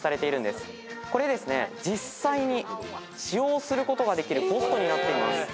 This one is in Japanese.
これですね実際に使用することができるポストになっています。